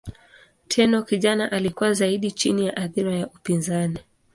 Tenno kijana alikuwa zaidi chini ya athira ya upinzani.